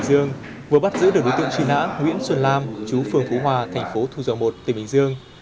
tp hcm vừa bắt giữ được đối tượng truy nã nguyễn xuân lam chú phường phú hòa tp thu dầu một tp hcm